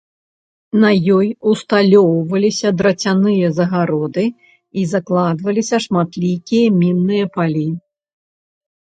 На ёй ўсталёўваліся драцяныя загароды і закладваліся шматлікія мінныя палі.